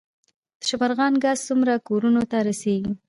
د شبرغان ګاز څومره کورونو ته رسیږي؟